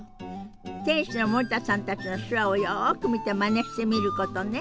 店主の森田さんたちの手話をよく見てまねしてみることね。